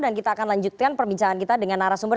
dan kita akan lanjutkan perbincangan kita dengan arah sumber